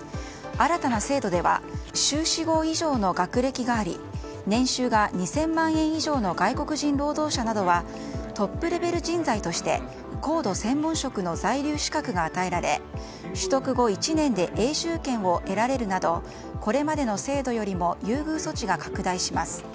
新たな制度では修士号以上の学歴があり年収が２０００万円以上の外国人労働者などはトップレベル人材として高度専門職の在留資格が与えられ取得後１年で永住権を得られるなどこれまでの制度よりも優遇措置が拡大します。